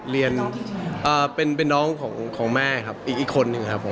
เรียนเป็นน้องของแม่ครับอีกคนนึงครับผม